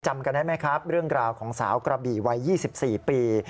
จำกันได้ไหมครับเรื่องราวของสาวกระบี่วัย๒๔ปี